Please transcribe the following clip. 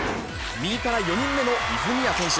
右から４人目の泉谷選手。